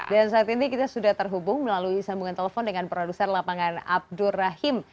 dan saat ini kita sudah terhubung melalui sambungan telepon dengan produser lapangan abdur rahim